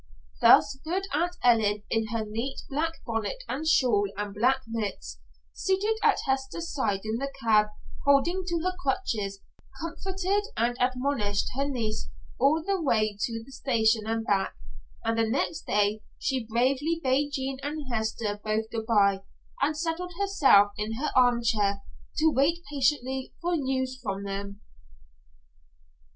Thus good Aunt Ellen in her neat black bonnet and shawl and black mits, seated at Hester's side in the cab holding to her crutches, comforted and admonished her niece all the way to the station and back, and the next day she bravely bade Jean and Hester both good by and settled herself in her armchair to wait patiently for news from them.